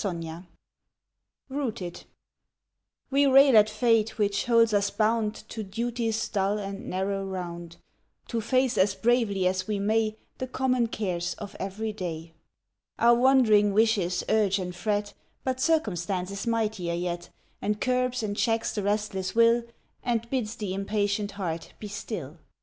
ROOTED 45 ROOTED WE rail at fate which holds us bound To duty's dull and narrow round, To face as bravely as we may The common cares of every day. Our wandering wishes urge and fret, But circumstance is mightier yet, And curbs and checks the restless will, And bids the impatient heart be still.